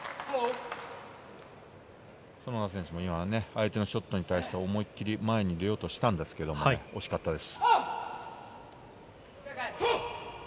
園田選手も今、相手のショットに対して思い切り前に出ようとしたんですが惜しかったです。